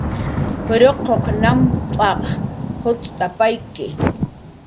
"Ruquq namp'anh juncx't""apayki"